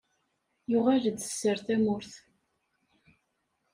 Yuɣal-d sser tamurt!